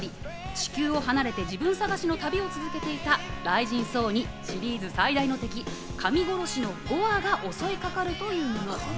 地球を離れて自分探しの旅を続けていた雷神・ソーにシリーズ最大の敵・神殺しのゴアが襲いかかるというもの。